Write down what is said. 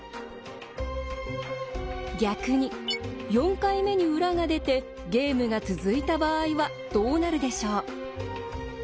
逆に４回目に裏が出てゲームが続いた場合はどうなるでしょう。